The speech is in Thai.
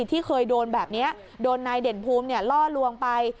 ที่เคยโดนแบบนี้โดนนายเด่นภูมิล่อลวงไป